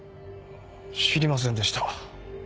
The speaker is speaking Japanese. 知りませんでした。